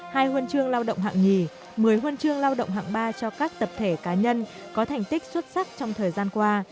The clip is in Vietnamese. hai huân chương lao động hạng nhì một mươi huân chương lao động hạng ba cho các tập thể cá nhân có thành tích xuất sắc trong thời gian qua